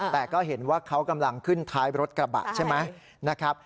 แต่ก็เห็นว่าเขากำลังขึ้นท้ายรถกระบะใช่ไหมนะครับ